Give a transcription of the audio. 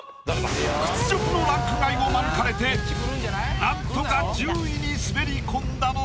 屈辱のランク外を免れて何とか１０位に滑り込んだのは？